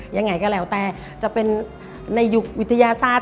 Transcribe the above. ยังไงก็แล้วแต่จะเป็นในยุควิทยาศาสตร์